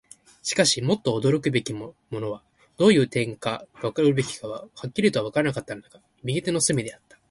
しかし、もっと驚くべきものは、どういう点が驚くべきかははっきりとはわからなかったのだが、右手の隅であった。